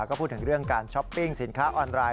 ก็พูดถึงเรื่องการช้อปปิ้งสินค้าออนไลน